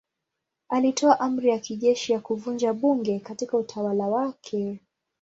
Alitoa amri ya kijeshi ya kuvunja bunge katika utawala wake.